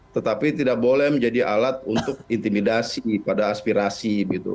tetapi tidak boleh menjadi alat untuk intimidasi pada aspirasi